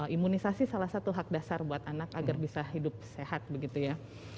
imunisasi salah satu hak dasar buat anak agar bisa hidup sehat begitu ya